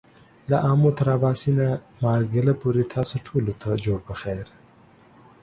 له آمو تر آباسينه ، مارګله پورې تاسو ټولو ته جوړ پخير !